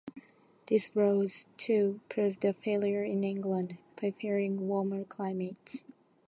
This rose, too, proved a failure in England, preferring warmer climates.